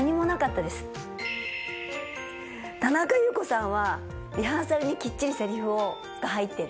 田中裕子さんはリハーサルにきっちりせりふが入ってる。